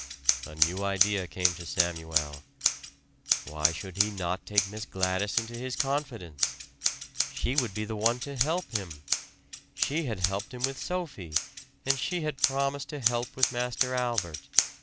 A new idea came to Samuel. Why should he not take Miss Gladys into his confidence? She would be the one to help him. She had helped him with Sophie; and she had promised to help with Master Albert.